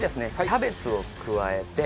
キャベツを加えて。